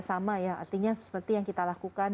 sama ya artinya seperti yang kita lakukan